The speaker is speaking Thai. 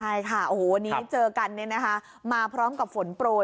วันนี้เจอกันมาพร้อมกับฝนโปรย